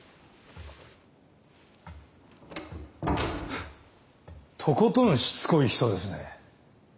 フッとことんしつこい人ですね。